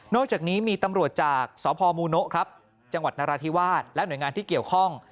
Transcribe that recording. อกจากนี้มีตำรวจจากสพมูโนะครับจังหวัดนราธิวาสและหน่วยงานที่เกี่ยวข้อง